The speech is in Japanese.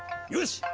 よし！